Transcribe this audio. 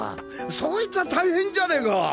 そいつァ大変じゃねえか！